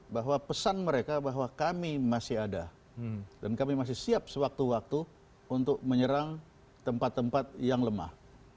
bahwa pesan mereka bahwa kami masih ada dan kami masih siap sewaktu waktu untuk menyerang tempat tempat yang lemah